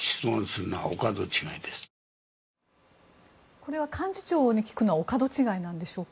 これは幹事長に聞くのはお門違いなんでしょうか？